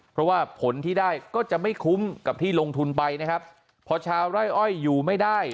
เพราะว่าผลที่ได้ก็จะไม่คุ้มกับที่ลงทุนไปนะครับพอชาวไร่อ้อยอยู่ไม่ได้